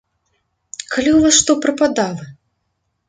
Калі ў вас што прападала!